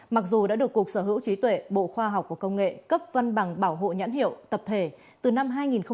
mặc dù đã được cục sở hữu trí tuệ bộ khoa học và công nghệ cấp văn bằng bảo hộ nhãn hiệu tập thể từ năm hai nghìn một mươi